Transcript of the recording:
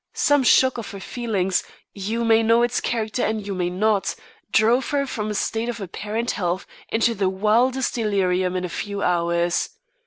Some shock to her feelings you may know its character and you may not drove her from a state of apparent health into the wildest delirium in a few hours.